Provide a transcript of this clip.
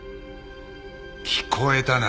聞こえたな？